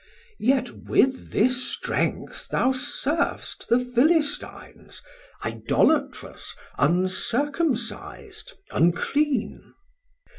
Chor: Yet with this strength thou serv'st the Philistines, Idolatrous, uncircumcis'd, unclean.